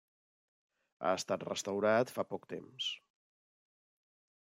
Ha estat restaurat fa poc temps.